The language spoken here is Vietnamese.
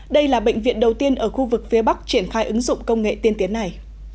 đây là bệnh viện đầu tiên ở khu vực phía bắc triển khai ứng dụng công nghệ tiên tiến này